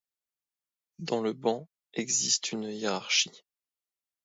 Dans le banc existe une hiérarchie.